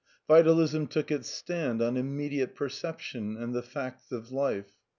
Vitalism took its stand on immediate perception and the facts of life.